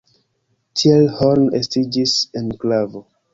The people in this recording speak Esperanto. Tiel Horn estiĝis enklavo.